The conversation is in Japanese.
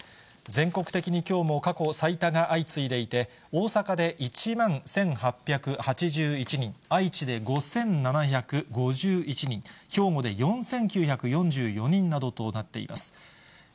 全国的にきょうも過去最多が相次いでいて、大阪で１万１８８１人、愛知で５７５１人、兵庫で４９４４人などとなっています。